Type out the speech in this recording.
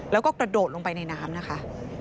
แล้วก็กระโดดลงไปในน้ำนะคะ